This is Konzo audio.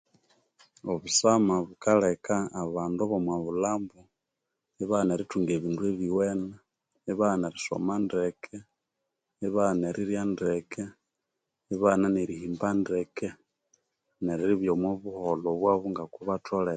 Obusama bukaleka abandu abomo bulhambo ibaghana erithunga ebindu ebiwene ibaghana erisoma ndeke ibaghana erirya ndeke ibaghana nerihimba ndeke neribya omwa buholho bwabo ngoku batholere